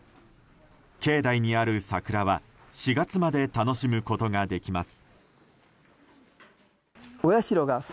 境内にある桜は４月まで楽しむことができます。